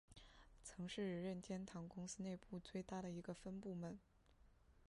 曾是任天堂公司内部最大的一个分部门。